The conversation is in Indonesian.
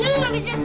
ya aku mau makan